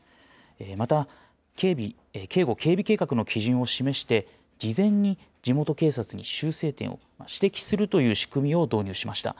また、警護・警備計画の基準を示して、事前に地元警察に修正点を指摘するという仕組みを導入しました。